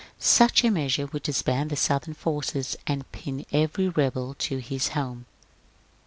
Such a measure would disband the Southern forces, and pin every rebel to his home."